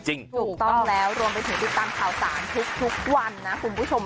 ถูกต้องแล้วรวมไปถึงติดตามข่าวสารทุกวันนะคุณผู้ชม